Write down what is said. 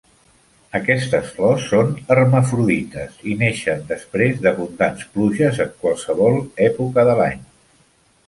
Aquestes flors són hermafrodites i neixen després d'abundants pluges en qualsevol època de l'any.